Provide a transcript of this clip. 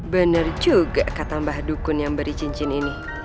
benar juga kata mbah dukun yang beri cincin ini